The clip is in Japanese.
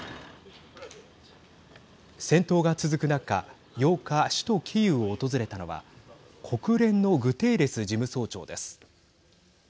戦闘が続く中８日首都キーウを訪れたのは国連のグテーレス事務総長です。